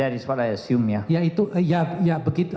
maksudnya hasilnya ada begitu